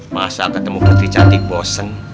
masa ketemu putri cantik bosen